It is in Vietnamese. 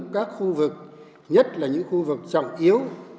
các khu vực nhất là những khu vực trọng yếu